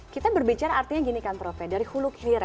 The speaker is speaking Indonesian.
kita berbicara artinya gini kan prof ya dari hulu kira